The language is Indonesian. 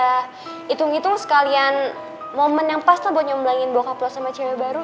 hitung hitung sekalian momen yang pas tuh buat nyembelangin bokap lo sama cewek baru